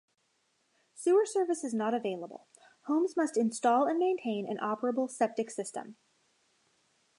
Sewer service is not available; homes must install and maintain an operable septic system.